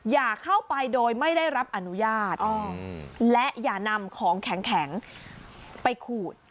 อย่าเข้าไปโดยไม่ได้รับอนุญาตและอย่านำของแข็งไปขูด